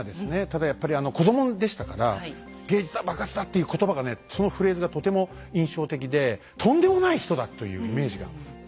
ただやっぱり子どもでしたから「芸術は爆発だ！」っていうことばがねそのフレーズがとても印象的でとんでもない人だというイメージがあります。